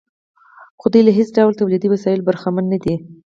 خو دوی له هېڅ ډول تولیدي وسایلو برخمن نه دي